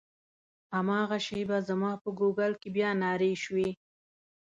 هماغه شېبه زما په ګوګل کې بیا نارې شوې.